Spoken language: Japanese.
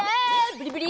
ブリブリ！